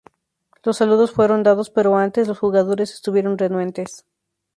Los saludos fueron dados pero antes, los jugadores estuvieron renuentes.